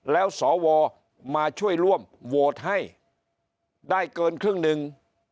แล้วสวมาช่วยร่วมโหวตให้ได้เกินครึ่งหนึ่ง